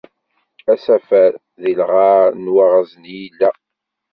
Asafar, di lɣar n waɣzen i yella.